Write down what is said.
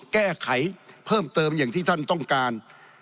แก้ไขเพิ่มเติมอย่างที่ท่านต้องการ